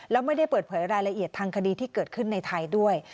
แล้วไม่ได้เปิดเผยรายละเอียดทางคดีที่เกิดขึ้นในไทยด้วย